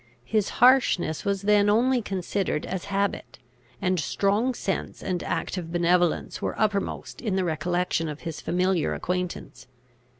His harshness was then only considered as habit; and strong sense and active benevolence were uppermost in the recollection of his familiar acquaintance.